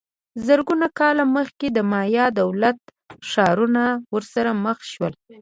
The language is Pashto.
زرګونه کاله مخکې د مایا دولت ښارونه ورسره مخ سول